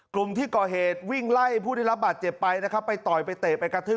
กลุ่มที่ก่อเหตุวิ่งไล่ผู้ได้รับบาดเจ็บไปนะครับไปต่อยไปเตะไปกระทืบ